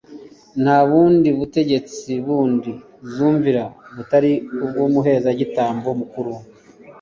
nta bundi butegetsi bundi zumvira butari ubw'umuherezabitambo mukuru